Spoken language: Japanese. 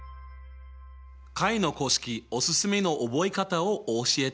解の公式おすすめの覚え方を教えてあげるよ。